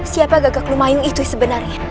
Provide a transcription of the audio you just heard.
siapa gagak lumayung itu sebenarnya